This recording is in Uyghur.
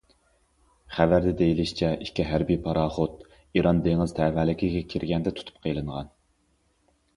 خەۋەردە دېيىلىشىچە، ئىككى ھەربىي پاراخوت ئىران دېڭىز تەۋەلىكىگە كىرگەندە تۇتۇپ قېلىنغان.